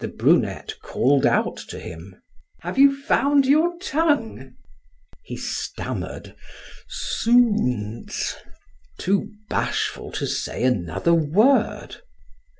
The brunette called out to him: "Have you found your tongue?" He stammered: "Zounds!" too bashful to say another word.